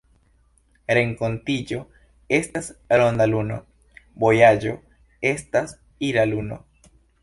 Renkontiĝo estas ‘ronda luno’,vojaĝo estas ‘ira luno’.